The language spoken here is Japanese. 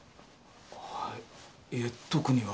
あぁいえ特には。